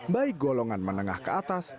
baik golongan menengah ke atas